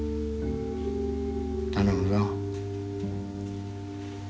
頼むぞ。